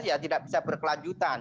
yang tidak bisa berkelanjutan